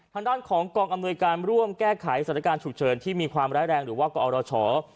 ทางด้านของกองอำนวยการร่วมแก้ไขสถานการณ์ฉุกเฉินที่มีความร้ายแรงหรือว่ากอรช